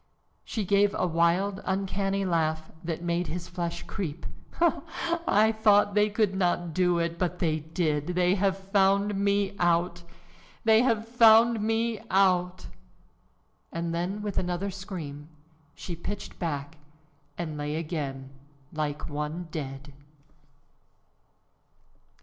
She gave a wild, uncanny laugh that made his flesh creep. "Ha! ha! I thought they could not do it, but they did. They have found me out! They have found me out!" And then, with another scream, she pitched back and lay again like one dead.